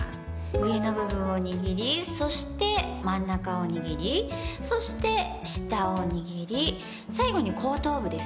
上の部分を握りそして真ん中を握りそして下を握り最後に後頭部ですね。